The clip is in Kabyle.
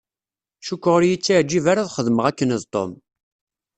Cukkeɣ ur y-ittiεǧib ara ad xedmeɣ akken d Tom.